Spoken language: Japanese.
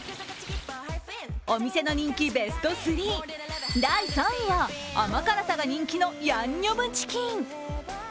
お店の人気ベスト３、第３位は甘辛さが人気のヤンニョムチキン。